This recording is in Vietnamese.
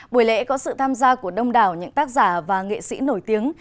buổi lễ có sự tham gia của đông đảo những tác giả và nghệ sĩ nổi tiếng